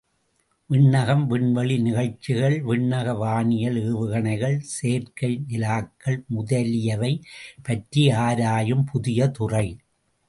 விண்ணகம், விண்வெளி நிகழ்ச்சிகள், விண்ணக வானியல், ஏவுகணைகள், செயற்கை நிலாக்கள் முதலியவை பற்றி ஆராயும் புதிய துறை.